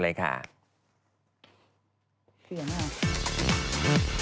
เกลียดมาก